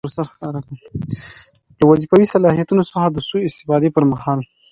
له وظیفوي صلاحیتونو څخه د سوء استفادې پر مهال.